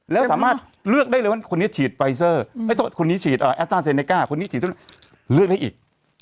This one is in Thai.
แล้วสามารถเลือกได้เลยว่าคนนี้ฉีดไฟเซอร์คนนี้ฉีดแอสต้านเซเนก้าคนนี้ฉีดเลือกให้อีก